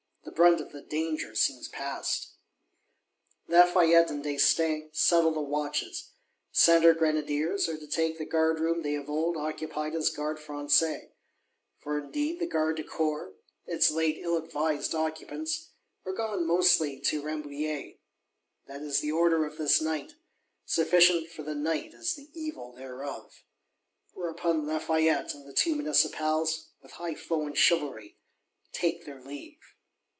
The brunt of the danger seems past! Lafayette and d'Estaing settle the watches; Centre Grenadiers are to take the Guard room they of old occupied as Gardes Françaises;—for indeed the Gardes du Corps, its late ill advised occupants, are gone mostly to Rambouillet. That is the order of this night; sufficient for the night is the evil thereof. Whereupon Lafayette and the two Municipals, with highflown chivalry, take their leave.